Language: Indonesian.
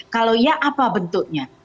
kalau iya apa bentuknya